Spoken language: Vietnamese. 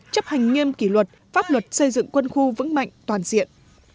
chấp hành nghiêm kỷ luật pháp luật xây dựng quân khu vững mạnh toàn diện